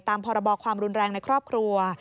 พรบความรุนแรงในครอบครัว